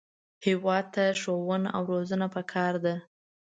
هېواد ته ښوونه او روزنه پکار ده